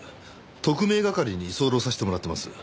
特命係に居候させてもらってます。